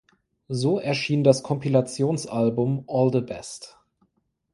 So erschien das Kompilationsalbum "All the Best!